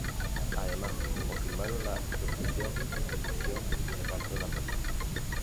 Además confirmaron la producción, distribución y reparto de la película.